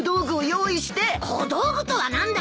小道具とは何だ。